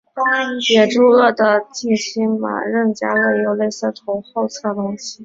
野猪鳄的近亲马任加鳄也有类似的头后侧隆起。